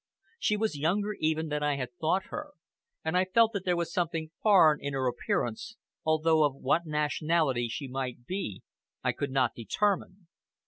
She was younger even than I had thought her, and I felt that there was something foreign in her appearance, although of what nationality she might be I could not determine.